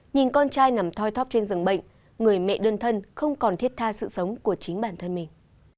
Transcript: nhìn con trai nằm toy thóc trên rừng bệnh người mẹ đơn thân không còn thiết tha sự sống của chính bản thân mình